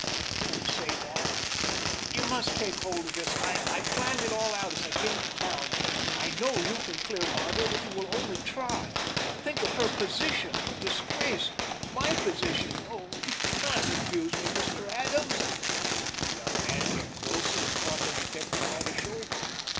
"Don't say that! You must take hold of this. I planned it all out as I came to town. I know you can clear Margaret if you will only try. Think of her position the disgrace my position Oh, you can't refuse me, Mr. Adams!" The young man came closer and caught the detective by the shoulder.